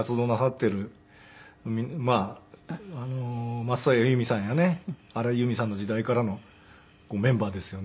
松任谷由実さんやね荒井由実さんの時代からのメンバーですよね。